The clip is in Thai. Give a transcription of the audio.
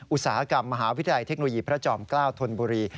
อุตสาหกรรมมหาวิทยาลัยเทคโนโลยีพระจอมเกล้าธนบุรี